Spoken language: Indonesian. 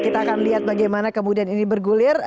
kita akan lihat bagaimana kemudian ini bergulir